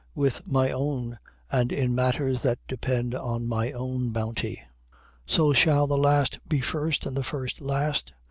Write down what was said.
with my own, and in matters that depend on my own bounty. 20:16. So shall the last be first and the first last.